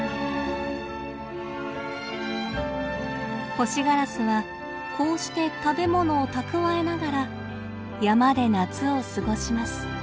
ホシガラスはこうして食べ物を蓄えながら山で夏を過ごします。